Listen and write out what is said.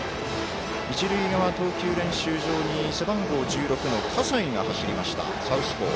一塁側投球練習場に背番号１６の葛西が走りました、サウスポー。